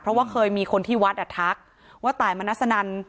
เพราะว่าเคยมีคนที่วัดอ่ะทักว่าตายมนัสนัน